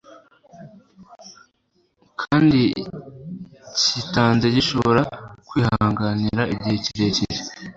kandi cyitanze gishobora kwihanganira igihe kirekire